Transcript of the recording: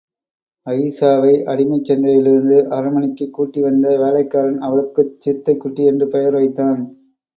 அயீஷாவை அடிமைச் சந்தையிலிருந்து, அரண்மனைக்குக் கூட்டி வந்த வேலைக்காரன் அவளுக்குச் சிறுத்தைக்குட்டி என்று பெயர் வைத்தான்!